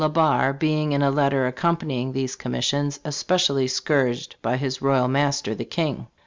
3:1 Le Barre being in a letter accompaning these commissions especially scourged by his royal master, the King.